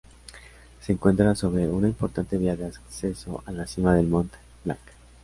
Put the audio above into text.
Se encuentra sobre una importante vía de acceso a la cima del Mont Blanc.